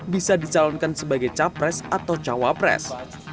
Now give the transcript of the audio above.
bisa dicalonkan sebagai capres atau cawapres